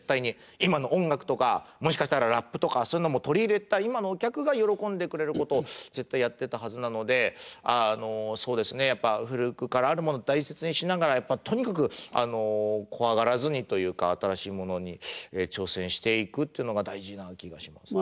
今の音楽とかもしかしたらラップとかそういうのも取り入れた今のお客が喜んでくれることを絶対やってたはずなのでそうですねやっぱ古くからあるものを大切にしながらとにかく怖がらずにというか新しいものに挑戦していくっていうのが大事な気がしますね。